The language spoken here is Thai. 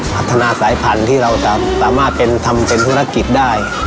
พัฒนาสายผันที่เราจะ